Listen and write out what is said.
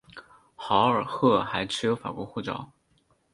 豪尔赫还持有法国护照。